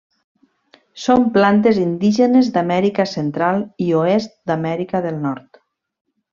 Són plantes indígenes d'Amèrica Central i oest d'Amèrica del Nord.